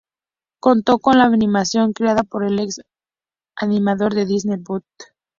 Contó con la animación creada por el ex animador de Disney Don Bluth.